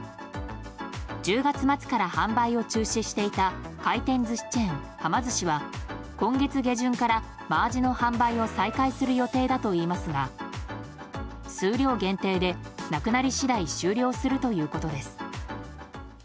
１０月末から販売を中止していた回転寿司チェーン、はま寿司は今月下旬から真アジの販売を再開する予定だといいますが数量限定でなくなり次第終了するということです。